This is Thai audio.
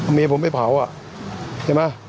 เพราะเมียผมไปเผาอะเห็นไหม